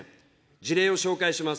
事例を紹介します。